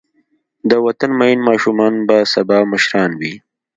د وطن مین ماشومان به سبا مشران وي.